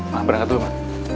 ma berangkat dulu ma